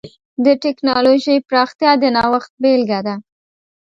د ټکنالوجۍ پراختیا د نوښت بېلګه ده.